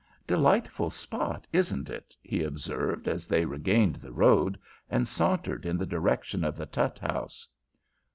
"Delightful spot, isn't it?" he observed as they regained the road and sauntered in the direction of the Tutt House.